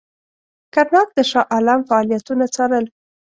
کرناک د شاه عالم فعالیتونه څارل.